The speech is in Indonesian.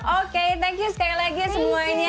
oke thank you sekali lagi semuanya